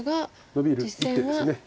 ノビる一手です。